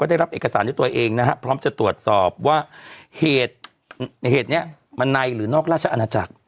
ได้รับเอกสารด้วยตัวเองนะฮะพร้อมจะตรวจสอบว่าเหตุนี้มันในหรือนอกราชอาณาจักร